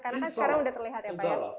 karena kan sekarang sudah terlihat ya pak ya